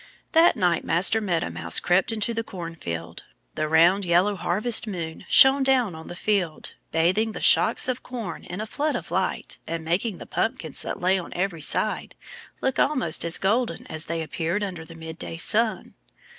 That night Master Meadow Mouse crept into the cornfield. The round, yellow harvest moon shone down on the field, bathing the shocks of corn in a flood of light and making the pumpkins that lay on every side look almost as golden as they appeared under the midday sun.